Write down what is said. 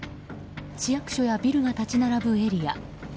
市役所やビルが立ち並ぶエリア。